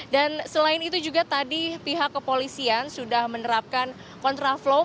dan selain itu juga tadi pihak kepolisian sudah menerapkan kontraflow